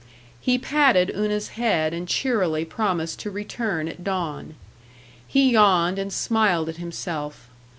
He patted Una's head and cheerily promised to return at dawn. He yawned and smiled at himself.